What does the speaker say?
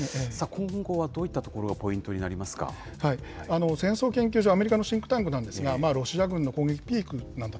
今後はどういったところがポイン戦争研究所、アメリカのシンクタンクなんですが、ロシア軍の攻撃ピークと。